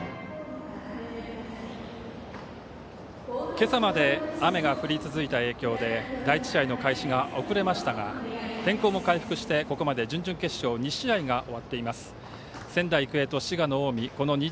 今朝まで雨が振り続いた影響で第１試合の開始が遅れましたが天候も回復して、ここまで準々決勝２試合が終わっています。